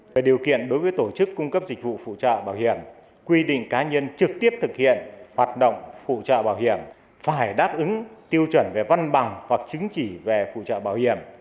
về điều kiện đối với tổ chức cung cấp dịch vụ phụ trợ bảo hiểm quy định cá nhân trực tiếp thực hiện hoạt động phụ trợ bảo hiểm phải đáp ứng tiêu chuẩn về văn bằng hoặc chứng chỉ về phụ trợ bảo hiểm